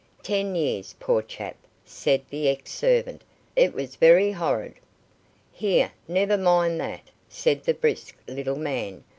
"Ten years, poor chap," said the ex servant. "It was very horrid." "Here, never mind that," said the brisk little man.